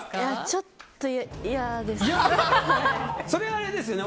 ちょっと嫌ですね。